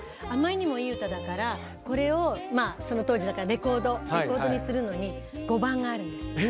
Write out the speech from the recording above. あまりにもいいうただからこれをその当時だからレコードにするのに５番があるんです。